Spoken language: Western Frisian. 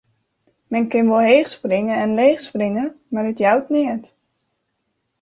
Men kin wol heech springe en leech springe, mar it jout neat.